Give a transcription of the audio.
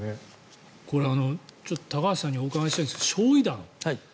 これ高橋さんにお伺いしたいんですが焼い弾。